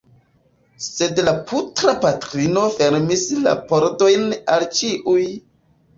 Sed la putra patrino fermis la pordojn al ĉiuj!